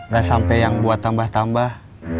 dan sampai yang buat tambah tambah